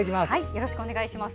よろしくお願いします。